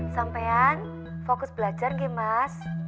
sampai an fokus belajar lagi mas